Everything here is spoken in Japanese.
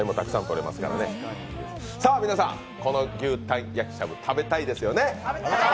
さあ、皆さんこの牛タン焼きしゃぶ食べたいですよね？